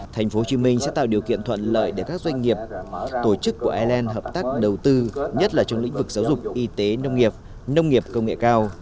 thành phố hồ chí minh sẽ tạo điều kiện thuận lợi để các doanh nghiệp tổ chức của ireland hợp tác đầu tư nhất là trong lĩnh vực giáo dục y tế nông nghiệp nông nghiệp công nghệ cao